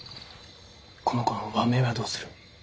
この子の和名はどうする？